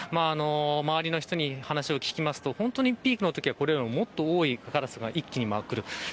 周りの人に話を聞きますと本当にピークのときはこれよりももっと多いカラスがいる。